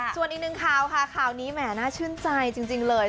จวนนี้หนึ่งคาวค่ะค่อนี้แม่น่าชื่นใจจริงเลย